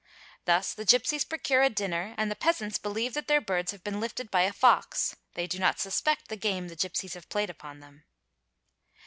Thus the gipsies' procure a dinner and the peasants believe that their birds have been lifted — by a fox; they do not suspect the game the gipsies have played upon them.